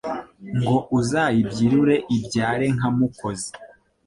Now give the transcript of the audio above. Ngo uzayibyirure ibyare nka Mukozi.